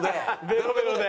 ベロベロで？